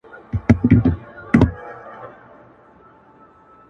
د کلي سپی یې، د کلي خان دی،